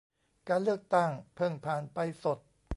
การเลือกตั้งเพิ่งผ่านไปสด